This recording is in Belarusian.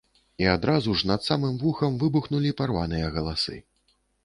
І адразу ж, над самым вухам, выбухнулі парваныя галасы.